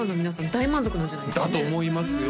大満足なんじゃないですかねだと思いますよ